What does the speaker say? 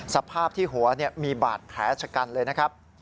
สภาพที่หัวมีบาดแผลชะกันเลยนะครับ